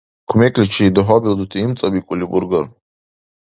Кумекличи дугьабилзути имцӀабикӀули бургар?